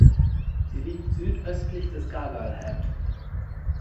Sie liegt südöstlich des Gargoyle Head.